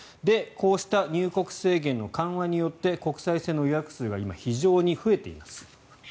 こうした入国制限の緩和によって国際線の予約数が今、非常に増えています。